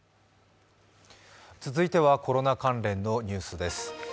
続いてはコロナ関連のニュースです。